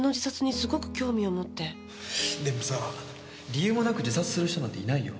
でもさ理由もなく自殺する人なんていないよ。